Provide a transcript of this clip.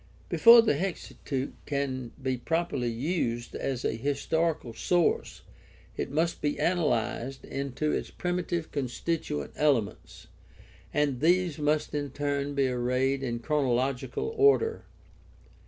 ^ Before the Hexateuch can be properly used as a historical source it must be analyzed into its primitive constituent elements, and these must in turn be arranged in chronological order.